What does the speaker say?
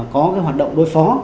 có cái hoạt động đối phó